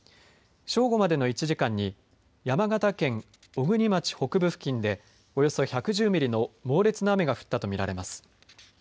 正午までの１時間に山形県小国町北部付近でおよそ１１０ミリの猛烈な雨が降ったと見られます。